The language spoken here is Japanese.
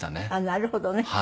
なるほどね。